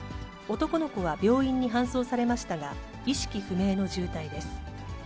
男の子は病院に搬送されましたが、意識不明の重体です。